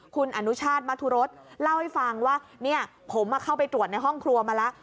คุณอนุชาติมทุรสเล่าให้ฟังว่าเนี่ยผมเข้าไปตรวจในห้องครัวมาแล้ว